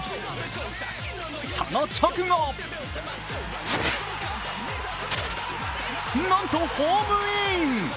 その直後、なんとホームイン。